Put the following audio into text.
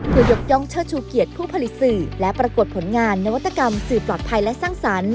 เพื่อยกย่องเชิดชูเกียรติผู้ผลิตสื่อและปรากฏผลงานนวัตกรรมสื่อปลอดภัยและสร้างสรรค์